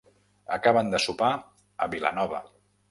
Acaben de sopar a Vilanova.